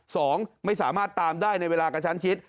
สองไม่สามารถตามได้ในเวลากระชั้นชิด